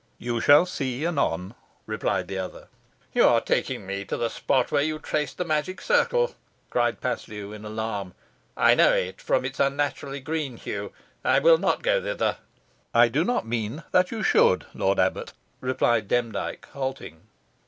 "You shall see anon," replied the other. "You are taking me to the spot where you traced the magic circle," cried Paslew in alarm. "I know it from its unnaturally green hue. I will not go thither." "I do not mean you should, lord abbot," replied Demdike, halting.